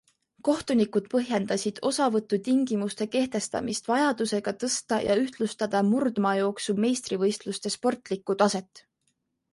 Kohtunikud põhjendasid osavõtutingimuste kehtestamist vajadusega tõsta ja ühtlustada murdmaajooksu meistrivõistluste sportlikku taset.